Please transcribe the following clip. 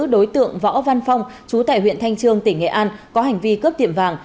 đối tượng võ văn phong chú tại huyện thanh trương tỉnh nghệ an có hành vi cướp tiệm vàng